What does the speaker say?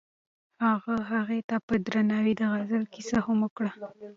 هغه هغې ته په درناوي د غزل کیسه هم وکړه.